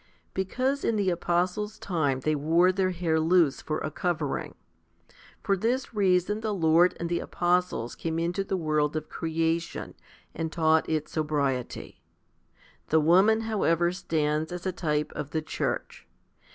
Because in the apostles' time they wore their hair loose for a covering. For this reason the Lord and the apostles came into the world of creation, and taught it sobriety. The woman, however, stands as a type of the church.